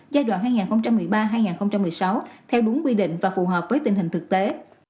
giai đoạn hai nghìn một mươi ba hai nghìn một mươi sáu theo đúng quy định và phù hợp với tình hình thực tế